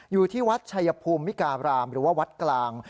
อยู่ที่วัดชัยภูมิมิการามหรือว่าวัดกลาง